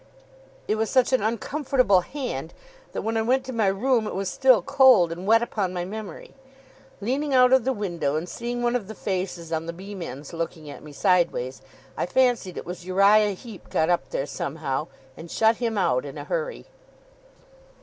It was such an uncomfortable hand, that, when I went to my room, it was still cold and wet upon my memory. Leaning out of the window, and seeing one of the faces on the beam ends looking at me sideways, I fancied it was Uriah Heep got up there somehow, and shut him out in a hurry.